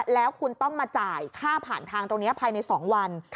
แล้วคุณต้องมาจ่ายค่าผ่านทางตรงนี้ภายใน๒วัน